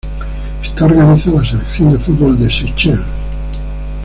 Esta organiza la selección de fútbol de Seychelles.